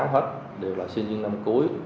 bốn trăm chín mươi sáu hết đều là sinh viên năm cuối